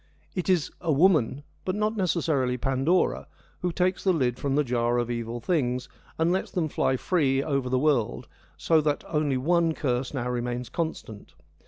It is 'a woman,' but not necessarily Pandora, who takes the lid from the Jar of Evil Things and lets them fly free over the world, so that only one curse now remains constant.